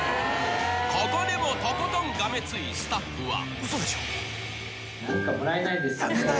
［ここでもとことんがめついスタッフは］